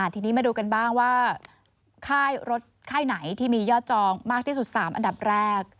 ทีนี้มาดูกันบ้างว่าค่ายรถค่ายไหนที่มียอดจองมากที่สุด๓อันดับแรก